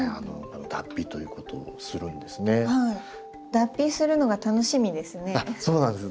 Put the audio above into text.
脱皮するのが楽しみですね。